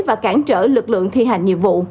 và cản trở lực lượng thi hành nhiệm vụ